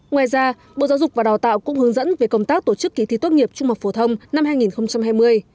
ngoài ra bộ giáo dục và đào tạo cũng hướng dẫn về công tác tổ chức kỳ thi tốt nghiệp trung học phổ thông năm hai nghìn hai mươi